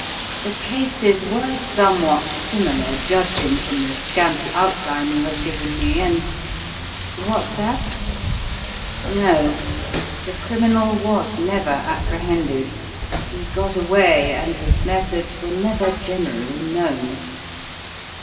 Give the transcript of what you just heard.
The cases were somewhat similar, judging from the scanty outline you have given me, and What's that? No, the criminal was never apprehended. He got away, and his methods were never generally known.